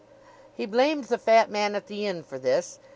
He blamed the fat man at the inn for this.